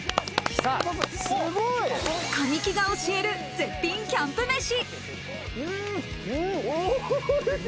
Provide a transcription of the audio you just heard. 神木が教える絶品キャンプ飯。